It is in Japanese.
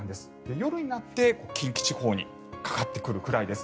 夜になって近畿地方にかかってくるくらいです。